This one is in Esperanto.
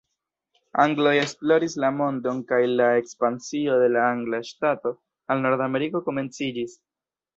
Angloj esploris la mondon kaj la ekspansio de la angla ŝtato al Nordameriko komenciĝis.